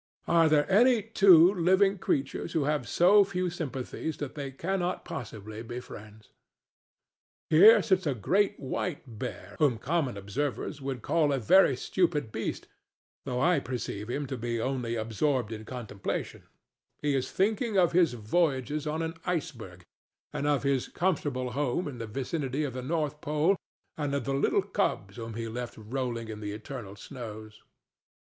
Are there any two living creatures who have so few sympathies that they cannot possibly be friends? Here sits a great white bear whom common observers would call a very stupid beast, though I perceive him to be only absorbed in contemplation; he is thinking of his voyages on an iceberg, and of his comfortable home in the vicinity of the north pole, and of the little cubs whom he left rolling in the eternal snows.